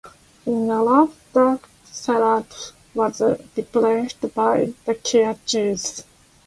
In Europe, the Cerato was replaced by the Kia Cee'd.